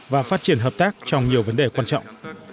và phát triển hợp tác trong nhiều vấn đề quan trọng